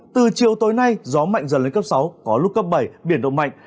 từ chiều tối nay gió mạnh dần lên cấp sáu có lúc cấp bảy biển động mạnh